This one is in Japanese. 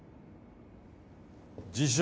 自称